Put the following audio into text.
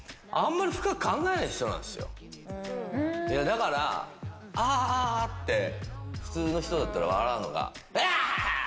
だから「アハハ」って普通の人だったら笑うのが「アハハハッ！」